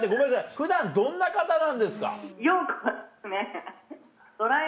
普段どんな方なんですか？